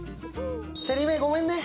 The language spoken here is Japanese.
シェリー・メイ、ごめんね。